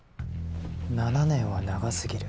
７年は長すぎる。